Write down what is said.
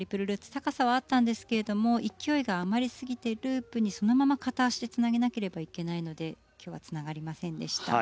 高さはあったんですけれども勢いが余りすぎてループにそのまま片足でつなげなければいけないので今日はつながりませんでした。